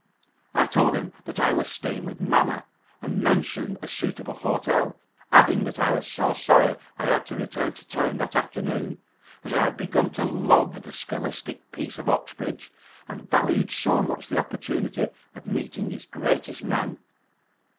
I told him that I was staying with mamma, and mentioned a suitable hotel, adding that I was so sorry I had to return to town that afternoon, as I had begun to love the scholastic peace of Oxbridge and valued so much the opportunity of meeting its greatest men.